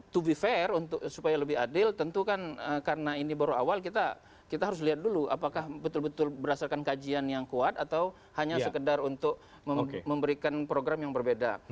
to be fair supaya lebih adil tentu kan karena ini baru awal kita harus lihat dulu apakah betul betul berdasarkan kajian yang kuat atau hanya sekedar untuk memberikan program yang berbeda